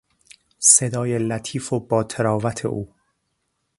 صدای لطیف و با طراوت او